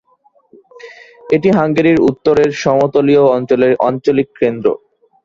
এটি হাঙ্গেরির উত্তরের সমতলীয় অঞ্চলের আঞ্চলিক কেন্দ্র।